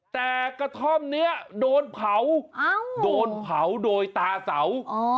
แต่กระท่อมนี้โดนเผาโดนเผาโดยตาเสา